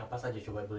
hampir selalu ribut